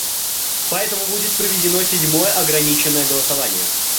Поэтому будет проведено седьмое ограниченное голосование.